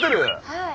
はい。